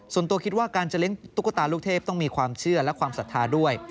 ส่วนตัวคิดว่าการจะเลี้ยตุ๊กตาลูกเทพต้องมีความเชื่อและความศรัทธาด้วย